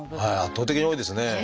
圧倒的に多いですね。